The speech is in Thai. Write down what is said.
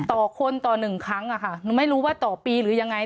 ต่อคนต่อหนึ่งครั้งอะค่ะหนูไม่รู้ว่าต่อปีหรือยังไง